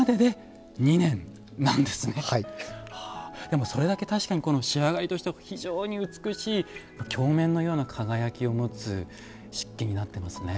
でもそれだけ確かに仕上がりとしては非常に美しい鏡面のような輝きを持つ漆器になってますね。